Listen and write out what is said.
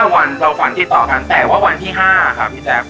วันเราฝันติดต่อกันแต่ว่าวันที่๕ครับพี่แจ๊ค